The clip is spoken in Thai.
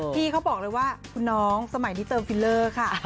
พี่เขาบอกเลยว่าคุณน้องสมัยนี้เติมฟิลเลอร์ค่ะ